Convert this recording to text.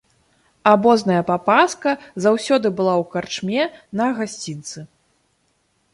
Абозная папаска заўсёды была ў карчме на гасцінцы.